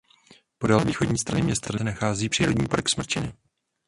Podél východní strany města se nachází přírodní park Smrčiny.